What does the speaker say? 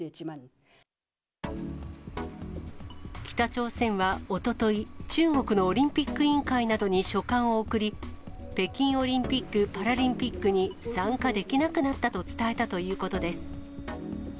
北朝鮮はおととい、中国のオリンピック委員会などに書簡を送り、北京オリンピック・パラリンピックに参加できなくなったと伝えたということです。